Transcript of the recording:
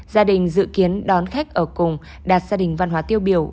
gia đình dự kiến đón khách ở cùng đạt gia đình văn hóa tiêu biểu